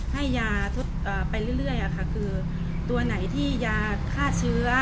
ให้ยาทดไปเรื่อยคือตัวไหนที่ยาฆ่าเชื้อ